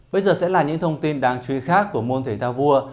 bây giờ sẽ là những thông tin đáng chú ý khác của môn thể thao vua